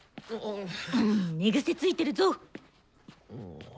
寝癖ついてるぞ！